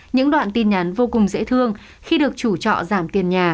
những đoạn tin nhắn vô cùng dễ thương khi được chủ trọ giảm tiền nhà